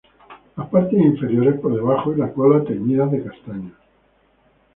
Las partes inferiores por debajo, y la cola, teñidas de castaño.